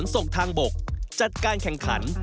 ติดตามกันให้ได้นะครับ